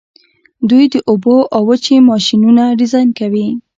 دوی د اوبو او وچې ماشینونه ډیزاین کوي.